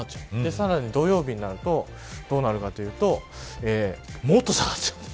さらに土曜日になるとどうなるかというともっと下がっちゃう。